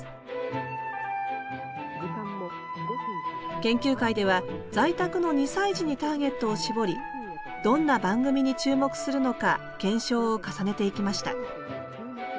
研究会では在宅の２歳児にターゲットを絞りどんな番組に注目するのか検証を重ねていきました